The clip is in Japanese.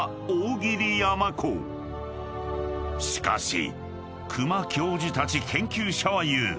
［しかし久間教授たち研究者は言う］